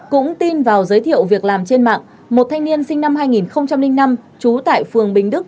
cũng tin vào giới thiệu việc làm trên mạng một thanh niên sinh năm hai nghìn năm trú tại phường bình đức